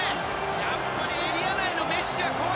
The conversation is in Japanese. やっぱりエリア内のメッシは怖いですね。